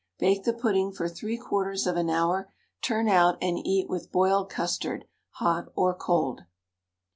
Bake the pudding for 3/4 of an hour, turn out, and eat with boiled custard, hot or cold.